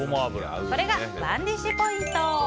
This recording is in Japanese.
これがＯｎｅＤｉｓｈポイント。